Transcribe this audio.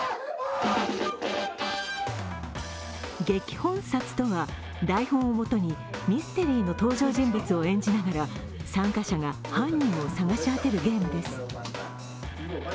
「劇本殺」とは、台本をもとにミステリーの登場人物を演じながら参加者が犯人を捜し当てるゲームです。